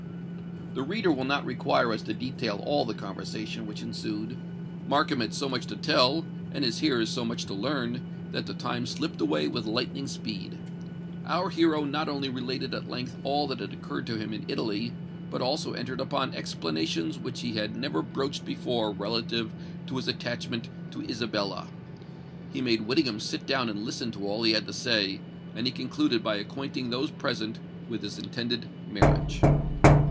The reader will not require us to detail all the conversation which ensued. Markham had so much to tell, and his hearers so much to learn, that the time slipped away with lightning speed. Our hero not only related at length all that had occurred to him in Italy, but also entered upon explanations which he had never broached before relative to his attachment to Isabella. He made Whittingham sit down and listen to all he had to say; and he concluded by acquainting those present with his intended marriage.